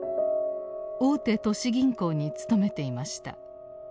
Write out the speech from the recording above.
大手都市銀行に勤めていました。